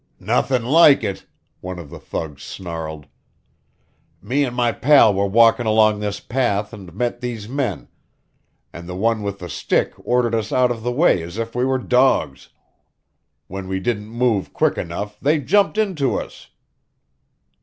"Nothin' like it!" one of the thugs snarled. "Me and my pal were walkin' along this path and met these men, and the one with the stick ordered us out of the way as if we were dogs. When we didn't move quick enough, they jumped into us."